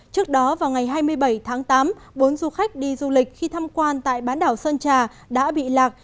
trước đó vào ngày hai mươi bảy tháng tám bốn du khách đi du lịch khi tham quan tại bán đảo sơn trà đã bị lạc